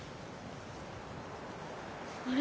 あれ？